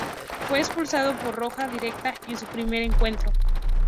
Fue expulsado por roja directa en su primer encuentro.